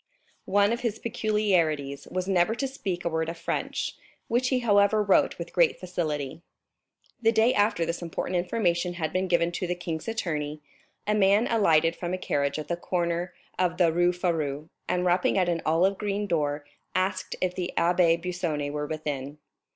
One of his peculiarities was never to speak a word of French, which he however wrote with great facility." The day after this important information had been given to the king's attorney, a man alighted from a carriage at the corner of the Rue Férou, and rapping at an olive green door, asked if the Abbé Busoni were within.